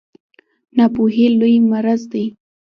ناپوهي لوی مرض دی